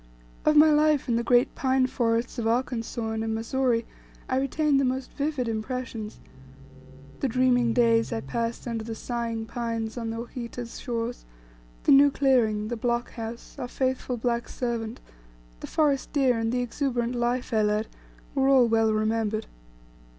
Of my life in the great pine forests of Arkansas, and in Missouri, I retained the most vivid impressions. The dreaming days I passed under the sighing pines on the Ouachita's shores; the new clearing, the block house, our faithful black servant, the forest deer, and the exuberant life I led, were all well remembered.